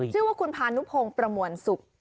ชื่อว่าคุณพานุพงพรมวรนศุกร์